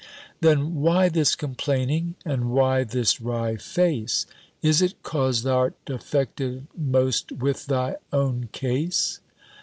Then why this complaining? And why this wry face? Is it 'cause thou'rt affected most with thy own case?